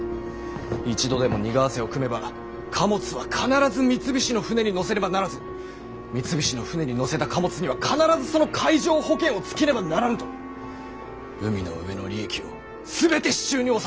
一度でも荷為替を組めば貨物は必ず三菱の船に載せねばならず三菱の船に載せた貨物には必ずその海上保険をつけねばならぬと海の上の利益を全て手中に収めようとしている。